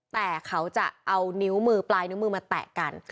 แต่เขาจะเอานิ้วมือปลายนิ้วมือมาแตะกัน